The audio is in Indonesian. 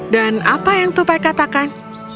dan apa yang tupai katakan